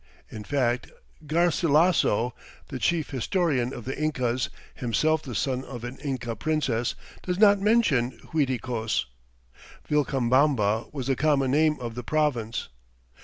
In fact Garcilasso, the chief historian of the Incas, himself the son of an Inca princess, does not mention Uiticos. Vilcabamba was the common name of the province.